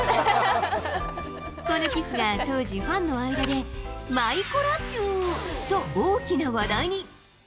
このキスが当時、ファンの間で、マイコラチューと大きな話題に。